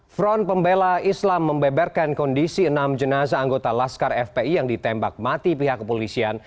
front pembela islam membeberkan kondisi enam jenazah anggota laskar fpi yang ditembak mati pihak kepolisian